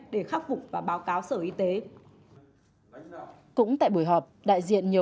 để khắc phục và báo cáo sở y tế